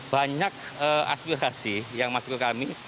banyak aspirasi yang masuk ke kami